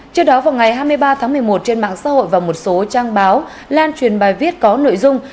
trước đó vào ngày hai mươi ba tháng một mươi một trên mạng xã hội và một số trang báo lan truyền bài viết có nội dung